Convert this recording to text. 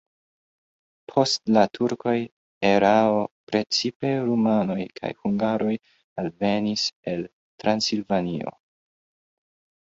Post la turkoj erao precipe rumanoj kaj hungaroj alvenis el Transilvanio.